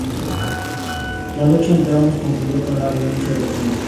La lucha entre ambos concluyó con la renuncia del general.